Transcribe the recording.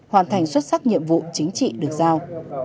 hoàn thành xuất sắc nhiệm vụ chính trị được giao